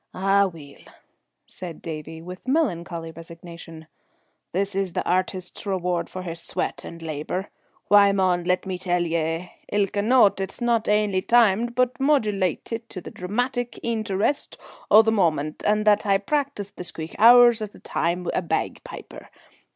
"Ah weel!" said Davie, with melancholy resignation, "this is the artist's reward for his sweat and labour. Why, mon, let me tell ye, ilka note is not ainly timed but modulatit to the dramatic eenterest o' the moment, and that I hae practised the squeak hours at a time wi' a bagpiper.